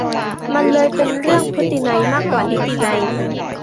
มันเลยเป็นเรื่อง"พฤตินัย"มากกว่านิตินัย